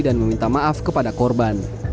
dan meminta maaf kepada korban